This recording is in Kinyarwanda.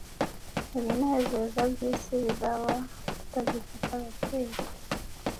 ibinezeza by’isi bizaba bitagifite agaciro.